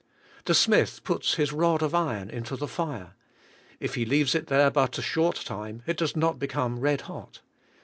The smith puts his rod of iron into the fire. If he leaves it there but a short time it does not become red hot.